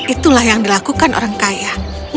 itulah yang dilakukan orang kaya